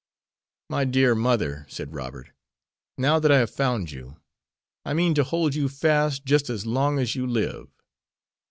"My dear mother," said Robert, "now that I have found you, I mean to hold you fast just as long as you live.